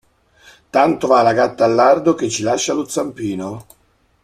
Tanto va la gatta al lardo che ci lascia lo zampino.